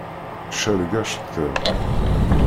Cerreg aceṭṭiḍ.